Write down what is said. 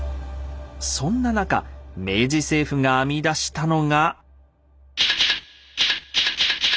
そんな中明治政府が編み出したのが。